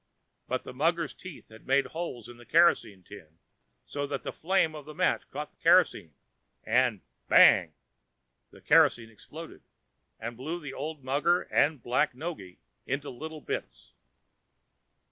But the mugger's teeth had made holes in the kerosene tin, so that the flame of the match caught the kerosene, and BANG!! the kerosene exploded, and blew the old mugger and Black Noggy into little bits.